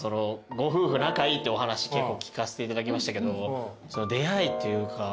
ご夫婦仲いいってお話結構聞かせていただきましたけど。